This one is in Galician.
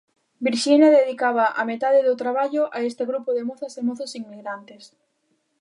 Virxinia dedicaba a metade do traballo a este grupo de mozas e mozos inmigrantes.